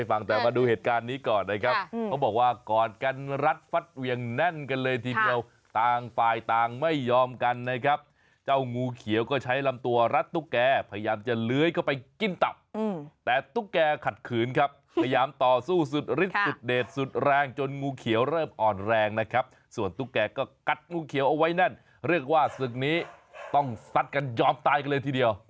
ส่วนตุ๊กแก่ก็กัดงูเขียวเอาไว้แน่นเรียกว่าศึกนี้ต้องสัดกันยอมตายกันเลยทีเดียว